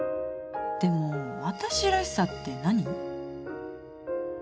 でも私らしさって何？